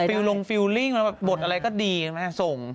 ฟิลลงฟิลลิ่งบทอะไรก็ดีนะครับส่ง